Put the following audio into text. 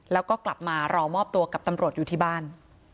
แล้วก็กลับมารอมอบตัวกับตำรวจอยู่ที่บ้าน